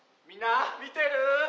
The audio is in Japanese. みんな見てるぅ？